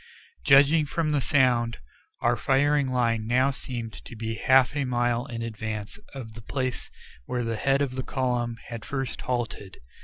Judging from the sound, our firing line now seemed to be half a mile in advance of the place where the head of the column had first halted.